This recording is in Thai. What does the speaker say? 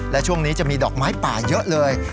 และช่วงนี้จะมีดอกไม้ป่าเยอะเลย